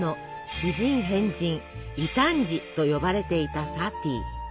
「奇人変人」「異端児」と呼ばれていたサティ。